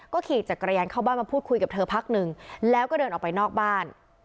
ขี่จักรยานเข้าบ้านมาพูดคุยกับเธอพักหนึ่งแล้วก็เดินออกไปนอกบ้าน